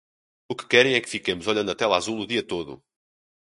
O que querem é que fiquemos olhando a tela azul o dia todo